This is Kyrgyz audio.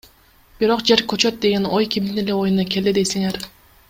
Бирок, жер көчөт деген ой кимдин эле оюна келди дейсиңер.